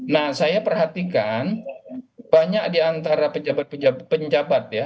nah saya perhatikan banyak di antara pejabat pejabat penjabat ya